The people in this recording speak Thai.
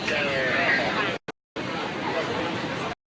จะยากมของ